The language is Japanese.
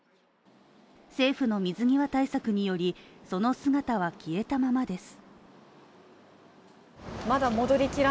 政府の水際対策により、その姿は消えたままです。